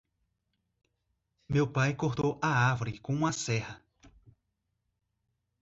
Meu pai cortou a árvore com uma serra.